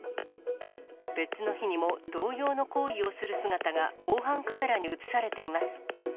別の日にも同様の行為をする姿が防犯カメラに写されています。